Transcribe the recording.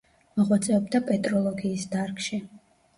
მოღვაწეობდა პეტროლოგიის დარგში.